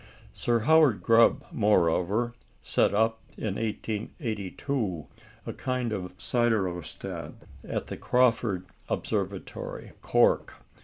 Sir Howard Grubb, moreover, set up, in 1882, a kind of siderostat at the Crawford Observatory, Cork.